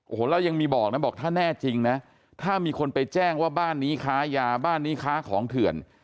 โอ้โหแล้วยังมีบอกนะบอกถ้าแน่จริงนะถ้ามีคนไปแจ้งว่าบ้านนี้ค้ายาบ้านนี้ค้าของเถื่อน